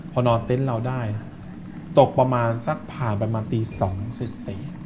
พอนอนเต็นต์เราได้ตกประมาณสักผ่านไปมาตี๒เสร็จ